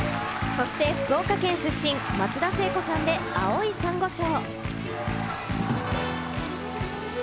そして福岡県出身、松田聖子さんで青い珊瑚礁。